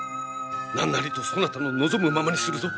何なりとそなたの望むままにするぞ！